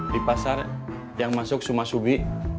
di pasar yang masuk sumasubi